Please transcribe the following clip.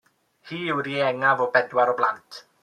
Hi yw'r ieuengaf o bedwar o blant.